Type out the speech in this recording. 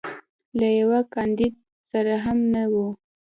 له یوه کاندید سره هم نه وم.